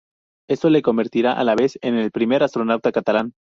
Esto le convertirá a la vez en el primer astronauta catalán.